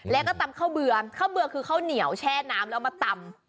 แล้วก็ตำข้าวเบื่อข้าวเบือคือข้าวเหนียวแช่น้ำแล้วมาตำ